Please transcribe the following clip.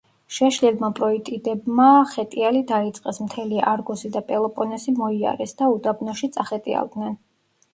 შეშლილმა პროიტიდებმა ხეტიალი დაიწყეს, მთელი არგოსი და პელოპონესი მოიარეს და უდაბნოში წახეტიალდნენ.